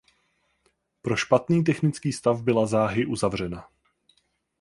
Pro špatný technický stav byla záhy uzavřena.